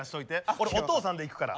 俺お父さんでいくから。